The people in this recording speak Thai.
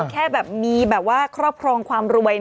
แค่แบบมีแบบว่าครอบครองความรวย